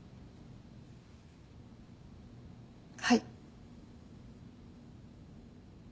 はい。